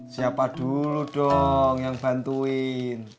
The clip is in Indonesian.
siapa dulu dong yang bantuin